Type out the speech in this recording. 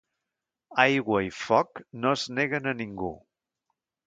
Aigua i foc no es neguen a ningú.